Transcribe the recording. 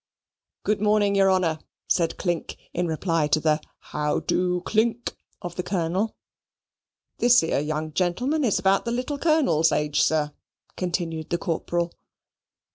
"Good morning, your Honour," said Clink, in reply to the "How do, Clink?" of the Colonel. "This ere young gentleman is about the little Colonel's age, sir," continued the corporal.